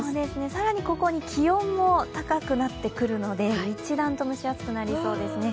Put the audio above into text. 更に、ここに気温も高くなってくるので、一段と蒸し暑くなりそうですね。